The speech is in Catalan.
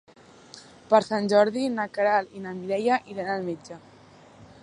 Per Sant Jordi na Queralt i na Mireia iran al metge.